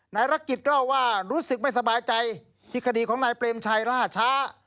ภารกิจเล่าว่ารู้สึกไม่สบายใจที่คดีของนายเปรมชัยล่าช้า